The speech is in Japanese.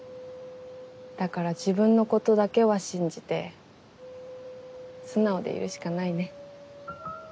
だから自分のことだけは信じて素直でいるしかないね。